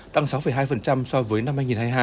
tăng sáu hai so với năm hai nghìn hai mươi hai